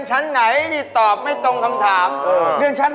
ใช่เรียนเรียนเรียนครับ